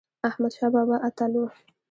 احمد شاه بابا اتل و